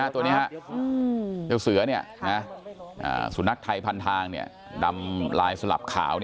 ตัวนี้เจ้าเสือสุนัขไทยพันทางดำลายสลับขาว